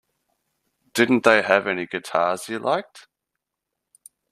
Didn't they have any guitars you liked?